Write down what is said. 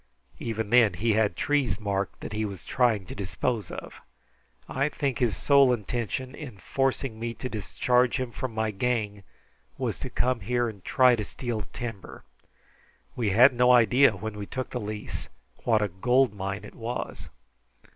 Even then he had trees marked that he was trying to dispose of. I think his sole intention in forcing me to discharge him from my gang was to come here and try to steal timber. We had no idea, when we took the lease, what a gold mine it was."